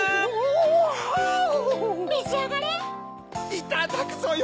いただくぞよ。